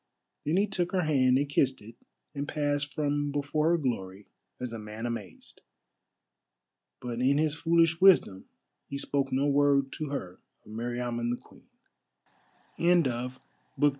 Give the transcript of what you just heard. Then he took her hand and kissed it and passed from before her glory as a man amazed. But in his foolish wisdom he spoke no word to her of Meriamun the Queen. CHAPTER VIII.